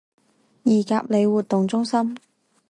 二甲里活動中心